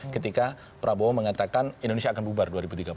ketika prabowo mengatakan indonesia akan bubar dua ribu tiga puluh